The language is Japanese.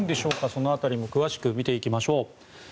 その辺りも詳しく見ていきましょう。